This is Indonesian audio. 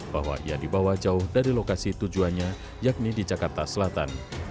bahwa ia dibawa jauh dari lokasi tujuannya yakni di jakarta selatan